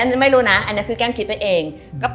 อันนั้นไม่รู้นะอันนั้นคือแก้มคิดไว้เอง